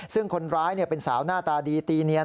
ซึ่งคนร้ายเป็นสาวหน้าตาดีตีเนียน